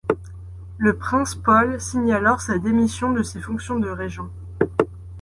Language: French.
Le prince Paul signe alors sa démission de ses fonctions de régent.